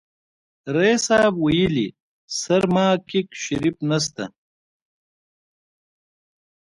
ريس صيب ويلې سرماکيک شريف نسته.